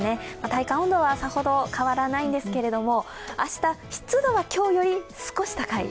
体感温度はさほど変わらないんですけど、明日、湿度は今日より少し高い。